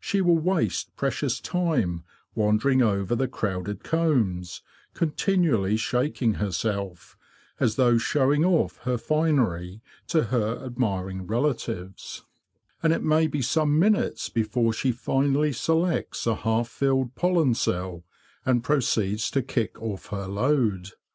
She will waste precious time wandering over the crowded combs, continually shaking herself, as though showing off her finery to her admiring relatives; and it may be some minutes before she finally selects a half filled pollen cell and proceeds to kick off her load.